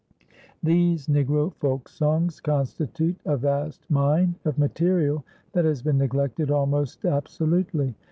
These Negro folksongs constitute a vast mine of material that has been neglected almost absolutely.